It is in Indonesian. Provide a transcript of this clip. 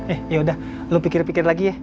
eh yaudah lu pikir pikir lagi ya